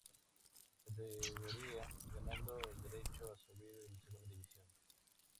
Categoría, ganando el derecho a subir a la Segunda División.